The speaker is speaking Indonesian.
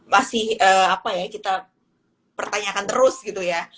masih apa ya kita pertanyakan terus gitu ya